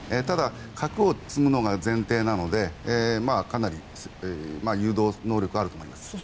ただ、核を積むのが前提なのでかなり誘導能力があると思います。